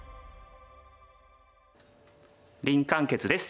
林漢傑です。